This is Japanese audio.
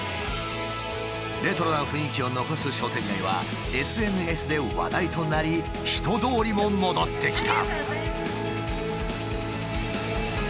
レトロな雰囲気を残す商店街はＳＮＳで話題となり人通りも戻ってきた。